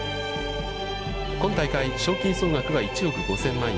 今大会の賞金総額は１億５０００万円。